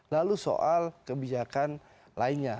lalu soal kebijakan lainnya